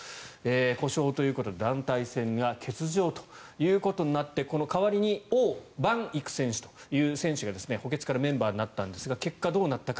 故障ということで団体戦は欠場となって代わりにオウ・バンイク選手という選手が補欠からメンバーになったんですが結果、どうなったか。